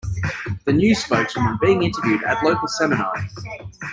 The News Spokeswomen being interviewed at local seminar.